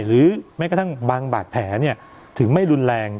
หรือแม้กระทั่งบางบาดแผลถึงไม่รุนแรง